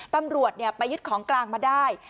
ตำรวจไปยึดของกลางมาได้